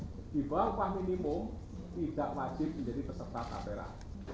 tiba biba upah minimum tidak wajib menjadi peserta tapera